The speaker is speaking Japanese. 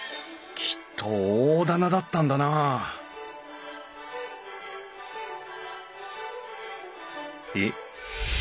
きっと大店だったんだなあえっ